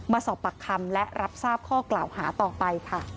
มาสอบปากคำและรับทราบข้อกล่าวหาต่อไปค่ะ